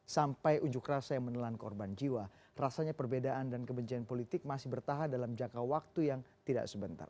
sampai ujuk rasa yang menelan korban jiwa rasanya perbedaan dan kebencian politik masih bertahan dalam jangka waktu yang tidak sebentar